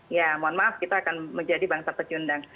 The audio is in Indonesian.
ya mohon maaf kita akan menjadi bangsa pecundang